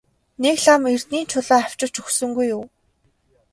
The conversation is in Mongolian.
Нэг лам эрдэнийн чулуу авчирч өгсөнгүй юу?